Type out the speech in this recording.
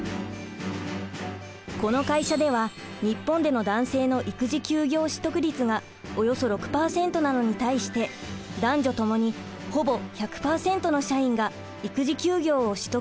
この会社では日本での男性の育児休業取得率がおよそ６％なのに対して男女ともにほぼ１００％の社員が育児休業を取得しています。